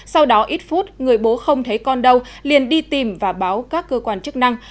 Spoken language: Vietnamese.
sau đó ít phút người bố không thấy con đâu liền đi tìm và báo các cơ quan chức năng